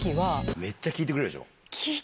めっちゃ聞いてくれるでしょ。